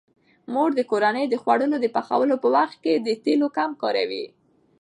مور د کورنۍ د خوړو د پخولو په وخت د تیلو کم کاروي.